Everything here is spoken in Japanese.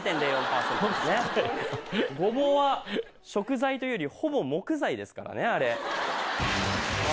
ごぼうは食材というよりほぼ木材ですからねあれ。